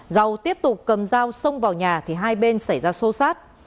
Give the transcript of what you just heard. giàu tiếp tục cầm dao xông vào nhà thì hai bên xảy ra sâu sát